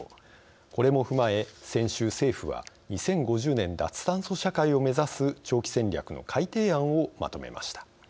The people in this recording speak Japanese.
これも踏まえ、先週政府は２０５０年脱炭素社会を目指す長期戦略の改定案をまとめました。